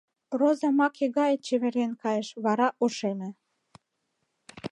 Роза маке гае чеверген кайыш, вара ошеме.